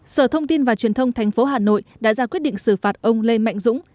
sở thông tin và truyền thông tp hà nội đã ra quyết định xử phạt ông lê mạnh dũng